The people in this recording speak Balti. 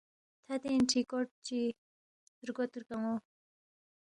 تھدین چی کوڈ چی رگود رگانو